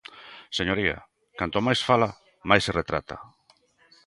Señoría, canto máis fala, máis se retrata.